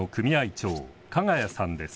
長加賀谷さんです。